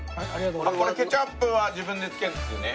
これケチャップは自分でつけるんですよね。